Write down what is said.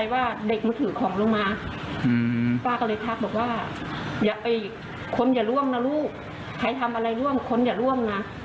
ว่าคนอย่าร่วมนะลูกใครทำอะไรร่วมคนอย่าร่วมนะ